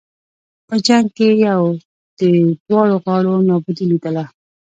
په جنګ کې یې د دواړو غاړو نابودي لېدله.